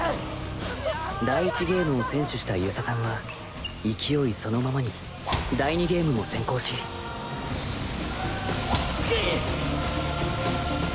第１ゲームを先取した遊佐さんは勢いそのままに第２ゲームも先行しくっ。